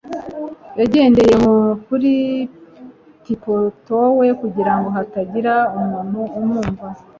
Yagendeye kuri tiptoe kugirango hatagira umuntu umwumva